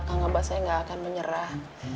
kang abah saya gak akan menyerah